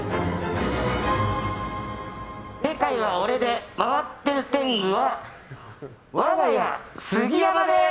世界は俺で回っている天狗は我が家・杉山です！